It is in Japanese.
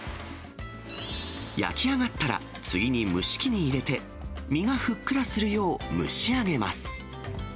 焼き上がったら、次に蒸し器に入れて、身がふっくらするよう、蒸し上げます。